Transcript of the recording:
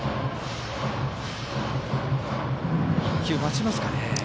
１球、待ちますかね。